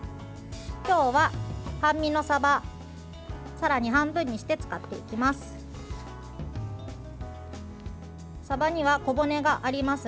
今日は半身のさばさらに半分にして使っていきます。